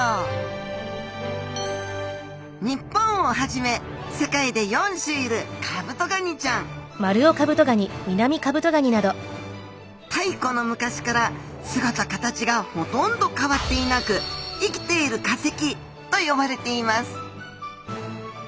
日本をはじめ世界で４種いるカブトガニちゃん太古の昔から姿形がほとんど変わっていなく生きている化石と呼ばれています